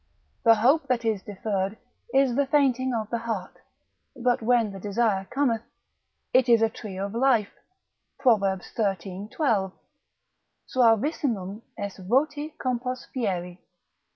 The hope that is deferred, is the fainting of the heart, but when the desire cometh, it is a tree of life, Prov. xiii. 12, suavissimum est voti compos fieri.